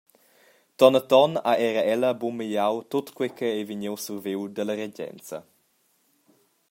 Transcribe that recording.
Tonaton ha era ella buca magliau tut quei ch’ei vegniu surviu dalla regenza.